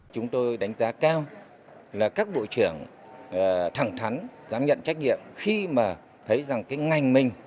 chúng tôi đánh giá cao là các bộ trưởng thẳng thắn giám nhận trách nhiệm khi mà thấy rằng cái ngành mình